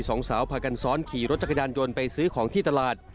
สองสาวพากันซ้อนขี่รถจักรยานยนต์ไปซื้อของที่ตลาด